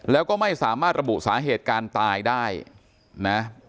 แล้วก็ไม่สามารถระบุสาเหตุการตายได้นะ